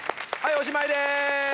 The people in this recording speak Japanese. おしまいでーす。